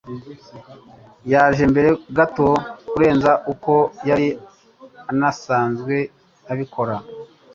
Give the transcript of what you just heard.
Yaje mbere gato kurenza uko yari asanzwe abikora.